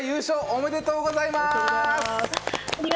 ありがとうございます。